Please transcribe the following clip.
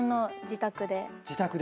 自宅で。